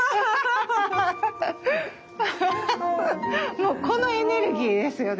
もうこのエネルギーですよね。